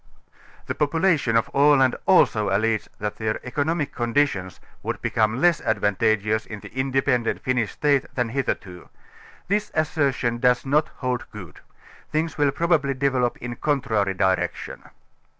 The population of Aland also allege that their economic conditions would be come less advantageous in the independent Finnish State than hitherto. This assertion does not hold good: things 14 will probably develope in a contrary direction.